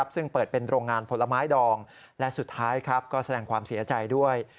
ซึ่งเปิดเป็นโรงงานผลไม้ดองและสุดท้ายก็แสดงความเสียใจด้วย